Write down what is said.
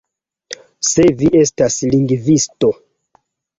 Se vi estas lingvisto